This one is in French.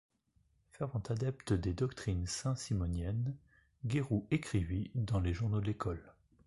Fervent adepte des doctrines saint-simoniennes, Guéroult écrivit dans les journaux de l’école.